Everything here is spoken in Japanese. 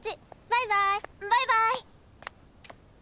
バイバイ。